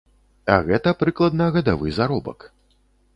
А гэта прыкладна гадавы заробак.